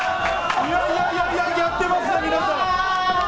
いやいやいや、やってますよ、皆さん。